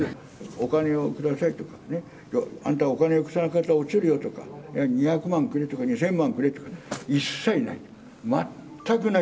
お金を下さいって、あんたお金をくれなかったら落ちるよとか、２００万くれとか、２０００万くれとか、一切ない。